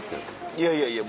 いやいやいや。